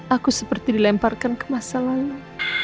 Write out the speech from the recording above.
aku seperti dilemparkan ke masa lalu